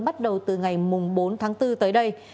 bắt đầu từ ngày bốn tháng bốn tới đây